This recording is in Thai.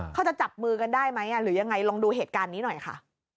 เขาจะจับมือกันได้ไหมหรือยังไงลองดูเหตุการณ์นี้หน่อยค่ะ